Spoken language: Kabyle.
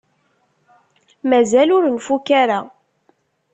Mazal ur nfukk ara.